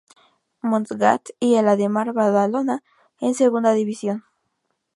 Montgat y el Ademar Badalona en segunda división.